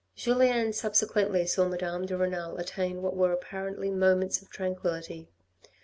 Julien subsequently saw Madame de Renal attain what were apparently moments of tranquillity.